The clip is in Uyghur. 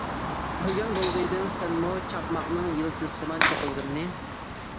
كۆرگەن بولغىيدىڭ سەنمۇ چاقماقنىڭ يىلتىزسىمان چېقىلغىنىنى؟ !